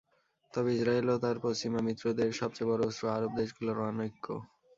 তবে ইসরায়েল ও তার পশ্চিমা মিত্রদের সবচেয়ে বড় অস্ত্র আরব দেশগুলোর অনৈক্য।